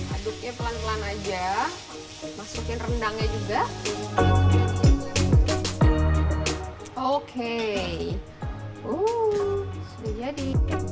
aduknya pelan pelan aja masukin rendangnya juga oke sudah jadi